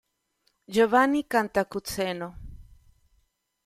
Giovanni Cantacuzeno